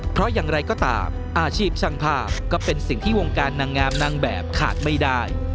เพราะอย่างไรก็ตามอาชีพช่างภาพก็เป็นสิ่งที่วงการนางงามนางแบบขาดไม่ได้